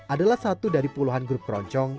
adalah satu dari puluhan grup keroncong